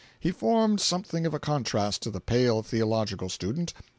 He formed something of a contrast to the pale theological student.